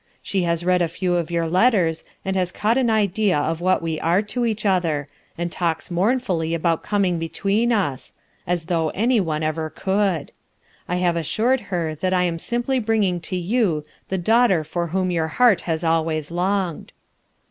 She has read a few of your letters, and has caught an idea of what we are to each other, and talks mournfully about coming between us 1 as though any one ever could! I have assured her that I am simply bringing to you the daugh ter for whom your heart has always longed.'